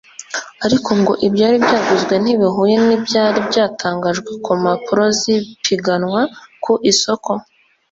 ariko ngo ibyaguzwe ntibihuye n’ibyari byatangajwe mu mpapuro z’ipiganwa ku isoko